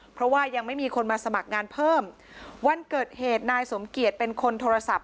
เพราะว่ายังไม่มีคนมาสมัครงานเพิ่มวันเกิดเหตุนายสมเกียจเป็นคนโทรศัพท์